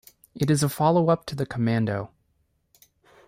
It is a followup to the "Commando".